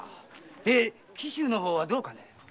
で紀州の方はどうかね？